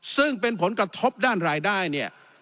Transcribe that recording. ซึ่งเป็นผลกระทบด้านรายได้เนี่ย